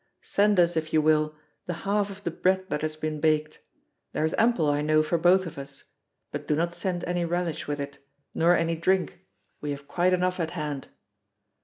Send us, if you will, the half of the bread that has been baked; there is ample, I know, for both of us; but do not send any relish with it, nor any drink, we have quite enough at hand.